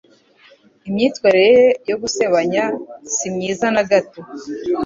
Imyitwarire ye yo gusebanya simyiza nagato